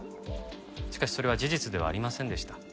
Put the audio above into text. しかしそれは事実ではありませんでした。